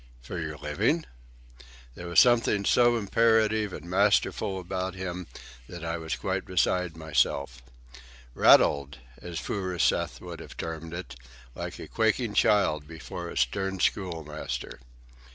"For your living?" There was something so imperative and masterful about him that I was quite beside myself—"rattled," as Furuseth would have termed it, like a quaking child before a stern school master.